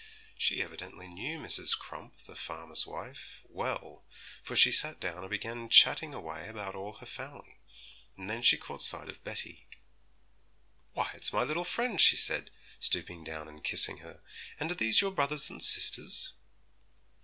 She evidently knew Mrs. Crump, the farmer's wife, well, for she sat down and began chatting away about all her family, and then she caught sight of Betty. 'Why, it's my little friend!' she said, stooping down and kissing her; 'and are these your brothers and sisters?'